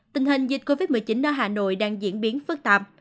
tình hình dịch covid một mươi chín ở hà nội đang diễn biến phức tạp